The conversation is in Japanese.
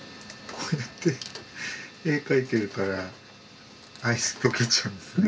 こうやって絵描いてるからアイス溶けちゃうんですね。